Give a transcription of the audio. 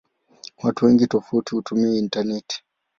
Watu wengi tofauti hutumia intaneti.